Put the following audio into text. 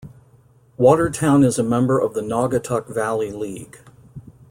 Watertown is a member of the Naugatuck Valley League.